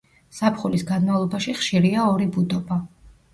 ზაფხულის განმავლობაში ხშირია ორი ბუდობა.